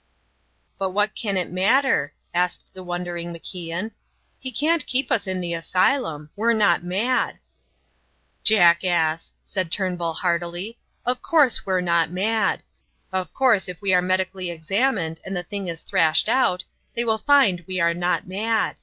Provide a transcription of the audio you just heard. "But what can it matter?" asked the wondering MacIan. "He can't keep us in the asylum. We're not mad." "Jackass!" said Turnbull, heartily, "of course we're not mad. Of course, if we are medically examined and the thing is thrashed out, they will find we are not mad.